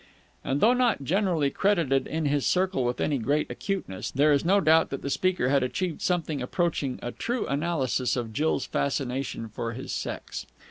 And though not generally credited in his circle with any great acuteness, there is no doubt that the speaker had achieved something approaching a true analysis of Jill's fascination for his sex.